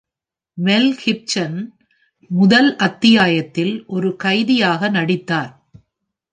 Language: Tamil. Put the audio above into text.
மெல் கிப்சன் முதல் அத்தியாயத்தில் ஒரு கைதியாக நடித்தார்.